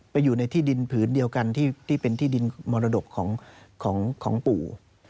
อยู่ในที่ดินผืนเดียวกันที่เป็นที่ดินมรดกของปู่